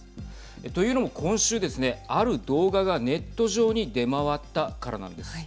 というのも今週ですねある動画がネット上に出回ったからなんです。